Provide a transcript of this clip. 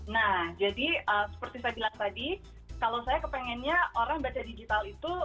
nah jadi seperti saya bilang tadi kalau saya kepengennya orang baca digital itu